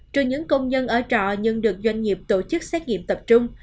trừ những công nhân ở trọ nhưng được doanh nghiệp tổ chức xét nghiệm tập trung